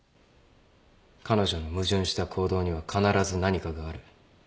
彼女の矛盾した行動には必ず何かがある。